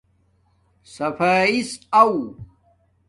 صفایݵس آݹ